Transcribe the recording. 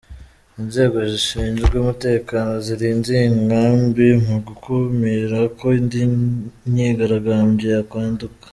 Inzego zishinzwe umutekano zirinze iyi nkambi mu gukumira ko indi myigaragambyo yakwaduka.